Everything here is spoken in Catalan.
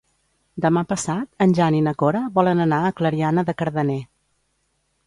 Demà passat en Jan i na Cora volen anar a Clariana de Cardener.